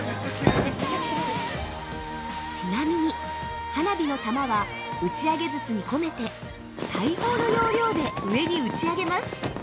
ちなみに、花火の玉は打ち上げ筒に込めて大砲の要領で上に打ち上げます。